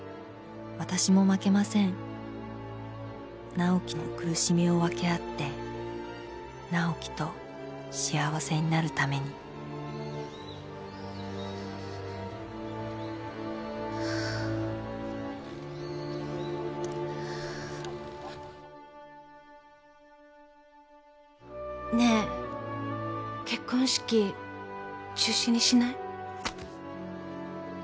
「直季の苦しみを分け合って直季と幸せになるために」ねぇ結婚式中止にしない？